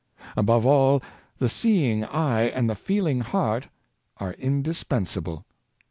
Above all, the seeing eye and the feeling heart are indispensable.